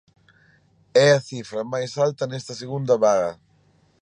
É a cifra máis alta nesta segunda vaga.